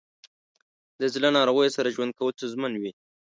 د زړه ناروغیو سره ژوند کول ستونزمن وي.